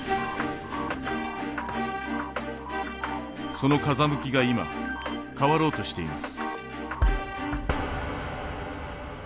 その風向きが今変わろうとしています。